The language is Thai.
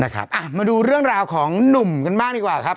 มาดูเรื่องราวของหนุ่มกันบ้างดีกว่าครับ